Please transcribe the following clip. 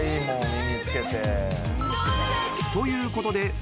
［ということで］